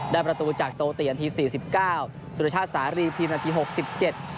ประตูจากโตเตียนาทีสี่สิบเก้าสุรชาติสารีพิมพ์นาทีหกสิบเจ็ด